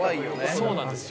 そうなんですよ。